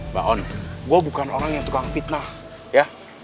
mbak on gue bukan orang yang tukang fitnah ya